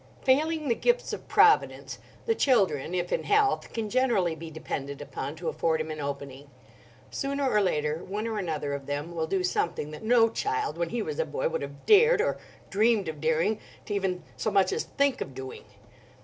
Failing the gifts of Providence, the children—if in health—can generally be depended upon to afford him an opening. Sooner or later one or another of them will do something that no child, when he was a boy, would have dared—or dreamed of daring—to even so much as think of doing.